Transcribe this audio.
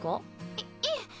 いっいえ！